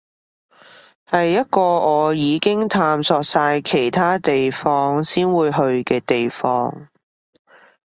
係一個我已經探索晒其他地方先會去嘅地方